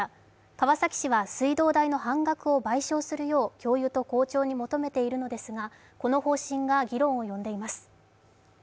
川崎市は水道代の半額を賠償するよう教諭と校長に求めているのですが、この方針が議論を呼んでいます。